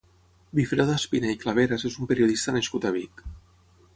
Wifredo Espina i Claveras és un periodista nascut a Vic.